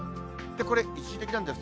これ、一時的なんです。